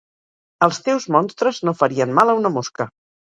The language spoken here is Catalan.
Els teus monstres no farien mal a una mosca!